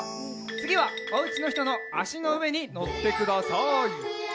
つぎはおうちのひとのあしのうえにのってください！